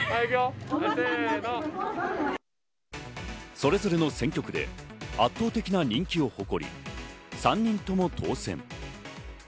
それぞれの選挙区で圧倒的な人気を誇り、３人とも当選。